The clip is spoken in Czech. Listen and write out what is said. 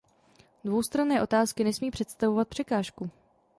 Dvoustranné otázky nesmí představovat překážku.